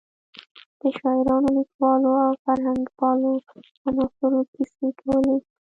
د شاعرانو، لیکوالو او فرهنګپالو عناصرو کیسې کولې.